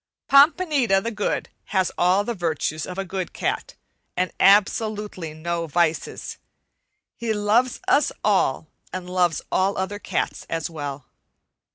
Pompanita the Good has all the virtues of a good cat, and absolutely no vices. He loves us all and loves all other cats as well.